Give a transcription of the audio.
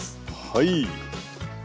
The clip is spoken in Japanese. はい。